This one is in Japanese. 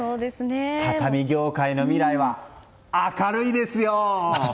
畳業界の未来は明るいですよ！